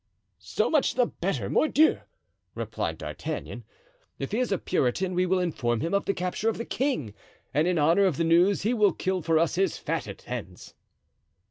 "So much the better, mordioux!" replied D'Artagnan; "if he is a Puritan we will inform him of the capture of the king, and in honor of the news he will kill for us his fatted hens."